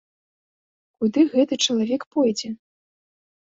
Куды гэты чалавек пойдзе?